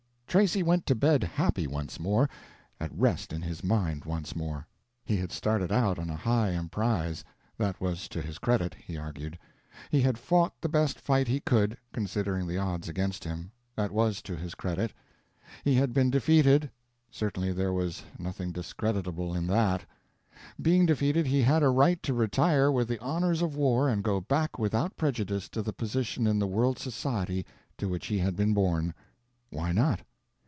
Tracy went to bed happy once more, at rest in his mind once more. He had started out on a high emprise—that was to his credit, he argued; he had fought the best fight he could, considering the odds against him—that was to his credit; he had been defeated—certainly there was nothing discreditable in that. Being defeated, he had a right to retire with the honors of war and go back without prejudice to the position in the world's society to which he had been born. Why not?